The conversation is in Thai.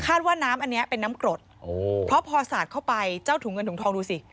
ว่าน้ำอันนี้เป็นน้ำกรดเพราะพอสาดเข้าไปเจ้าถุงเงินถุงทองดูสิ